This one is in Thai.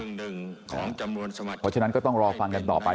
เพราะฉะนั้นก็ต้องรอฟังกันต่อไป